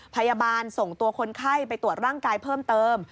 พยาบาลส่งตัวคนไข้ไปตรวจร่างกายเพิ่มเติม